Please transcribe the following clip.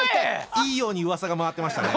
いいようにうわさが回ってましたね。